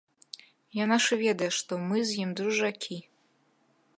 Яна ж ведае, што мы з ім дружакі.